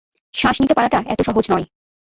শ্বাস নিতে পারাটা এতো সহজ নয়!